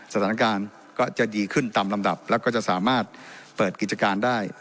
สถานการณ์ก็จะดีขึ้นตามลำดับแล้วก็จะสามารถเปิดกิจการได้